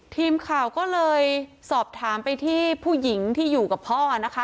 ทีมข่าวก็เลยสอบถามไปที่ผู้หญิงที่อยู่กับพ่อนะคะ